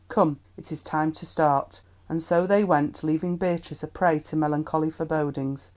Come, it is time to start." And so they went, leaving Beatrice a prey to melancholy forebodings.